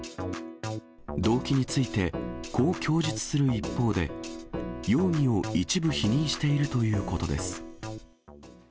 動機について、こう供述する一方で、容疑を一部否認しているということです。